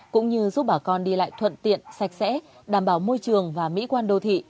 cũng như giúp bà con đi lại thuận tiện sạch sẽ đảm bảo môi trường và mỹ quan đô thị